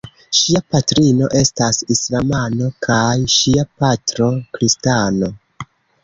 Ŝia patrino estas islamano kaj ŝia patro kristano.